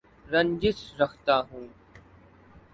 رنجش رکھتا ہوں